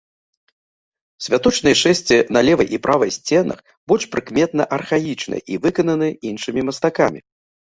Святочныя шэсці на левай і правай сценах больш прыкметна архаічныя і выкананы іншымі мастакамі.